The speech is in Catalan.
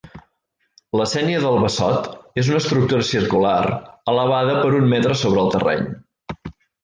La sénia del Bassot és una estructura circular, elevada per un metre sobre el terreny.